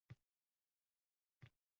qishloqlarga elektr ham yetib bormagan edi.